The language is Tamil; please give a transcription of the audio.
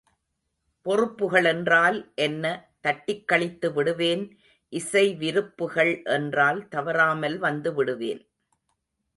பொறுப்புகள் என்றால் தட்டிக்கழித்து விடுவேன் இசை விருப்புகள் என்றால் தவறாமல் வந்துவிடுவேன்.